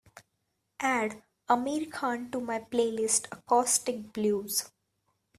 Add Amir Khan to my playlist Acoustic Blues